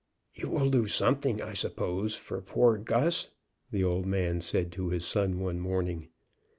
"You will do something, I suppose, for poor Gus?" the old man said to his son one morning.